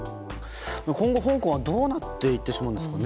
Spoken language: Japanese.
今後香港はどうなっていってしまうんですか。